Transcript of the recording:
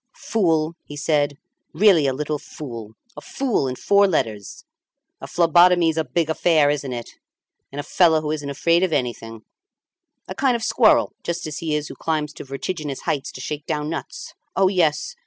"Fool!" he said, "really a little fool! A fool in four letters! A phlebotomy's a big affair, isn't it! And a fellow who isn't afraid of anything; a kind of squirrel, just as he is who climbs to vertiginous heights to shake down nuts. Oh, yes!